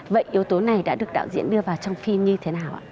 vậy yếu tố này đã được đạo diễn đưa vào trong phim như thế nào ạ